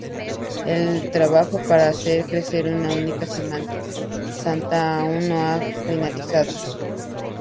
El trabajo para hacer crecer esta única Semana Santa aún no ha finalizado.